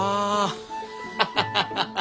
ハハハハ！